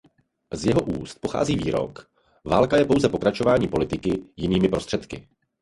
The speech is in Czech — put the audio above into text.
Z jeho úst pochází výrok „"Válka je pouze pokračování politiky jinými prostředky"“.